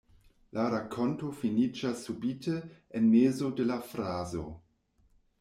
La rakonto finiĝas subite, en mezo de la frazo.